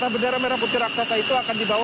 bendera merah putih raksasa itu akan dibawa